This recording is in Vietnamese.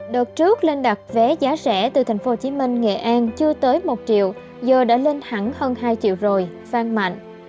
đợt trước lên đặt vé giá rẻ từ tp hcm nghệ an chưa tới một triệu giờ đã lên hẳn hơn hai triệu rồi phan mạnh